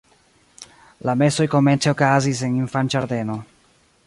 La mesoj komence okazis en infanĝardeno.